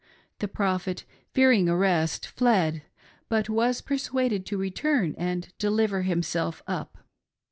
The Prophet, fear ing arrest, fled, but was persuaded to return and deliver himself up.